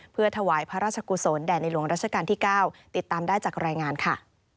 เพื่อถวายพระราชกุศลแด่ในหลวงราชการที่๙ติดตามได้จากรายงานค่ะ